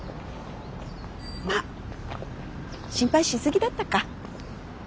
まっ心配しすぎだったか。